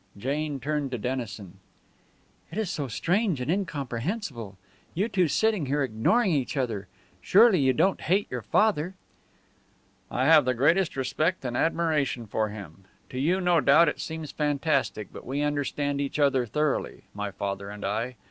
Jane turned to Dennison. "It is so strange and incomprehensible! You two sitting here and ignoring each other! Surely you don't hate your father?" "I have the greatest respect and admiration for him. To you no doubt it seems fantastic; but we understand each other thoroughly, my father and I.